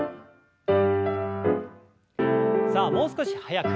さあもう少し早く。